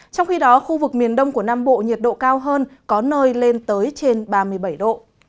trong khi đó khu vực miền đông của nam bộ nhiệt độ cao hơn có nơi lên tới trên ba mươi bảy độ